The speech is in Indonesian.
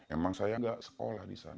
emang saya nggak sekolah di sana